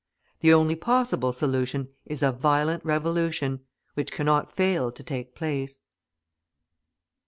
The only possible solution is a violent revolution, which cannot fail to take place.